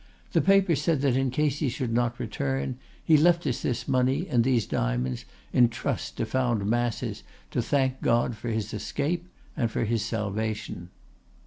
The paper said that in case he should not return, he left us this money and these diamonds in trust to found masses to thank God for his escape and for his salvation.